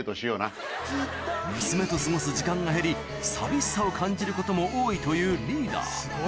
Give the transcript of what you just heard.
娘と過ごす時間が減り寂しさを感じることも多いというリーダー